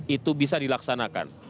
itu bisa dilaksanakan